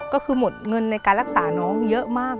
ก็คือหมดเงินในการรักษาน้องเยอะมาก